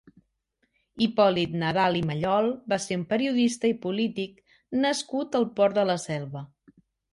Hipòlit Nadal i Mallol va ser un periodista i polític nascut al Port de la Selva.